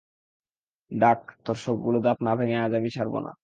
ডাক, তোর সবগুলো দাঁত না ভেঙ্গে আজ আর ছাড়বো না!